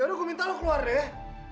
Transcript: yaudah gue minta lo keluar deh